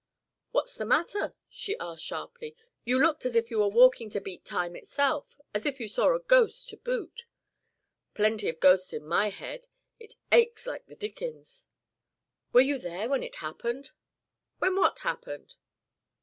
"What's the matter?" she asked sharply. "You looked as if you were walking to beat time itself as if you saw a ghost to boot " "Plenty of ghosts in my head. It aches like the dickens " "Were you there when it happened?" "When what happened?"